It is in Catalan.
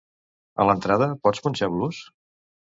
A l'entrada, pots punxar blues?